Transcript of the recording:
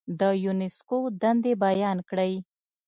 د یونسکو دندې بیان کړئ.